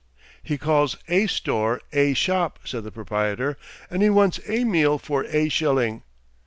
"He calls A store A shop," said the proprietor, "and he wants A meal for A shilling.